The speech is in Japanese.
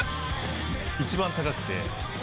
一番高くて。